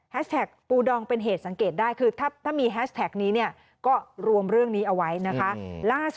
ปูดองเป็นเหตุสังเกตได้คือถ้ามีแฮชแท็กนี้เนี่ยก็รวมเรื่องนี้เอาไว้นะคะ